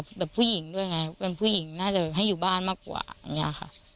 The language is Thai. แบบผู้หญิงด้วยไงเป็นผู้หญิงน่าจะให้อยู่บ้านมากกว่าอย่างนี้ค่ะ